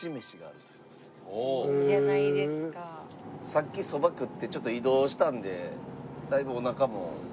さっきそば食ってちょっと移動したんでだいぶおなかも。